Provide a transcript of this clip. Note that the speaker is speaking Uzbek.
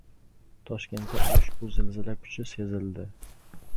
Toshkentda ushbu zilzila kuchi sezildi.